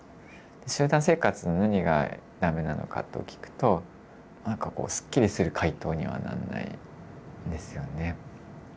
集団生活の何が駄目なのかと聞くとなんかこうすっきりする回答にはなんないんですよね。